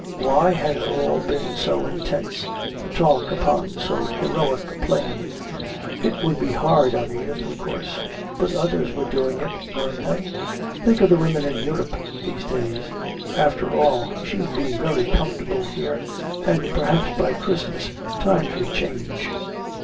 Why had it all been so intense, the talk upon so heroic a plane? It would be hard on Edith, of course; but others were doing it, weren't they? Think of the women in Europe these days! After all, she'd be very comfortable here, and perhaps by Christmas times would change.